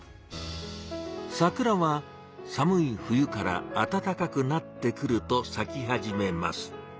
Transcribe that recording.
桜は寒い冬からあたたかくなってくると咲き始めます。